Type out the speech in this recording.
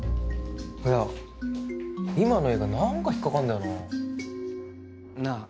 いや今の映画何か引っ掛かんだよな。